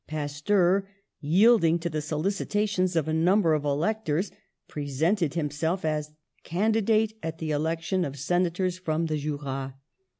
Pasteur, yielding to the solicitations of a number of electors, presented himself as candidate at the election of senators from the Jura.